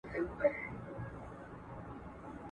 موږ په غره کې ډېر ښکلي ګلان ولیدل.